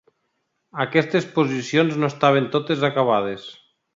Aquestes posicions no estaven totes acabades.